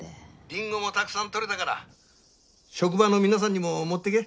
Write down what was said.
りんごもたくさんとれたから職場の皆さんにも持っていけ。